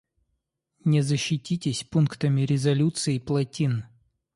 Не защититесь пунктами резолюций-плотин.